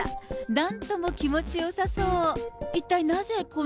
なんとも気持ちよさそう。